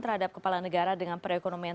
terhadap kepala negara dengan perekonomian